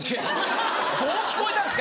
どう聞こえたんですか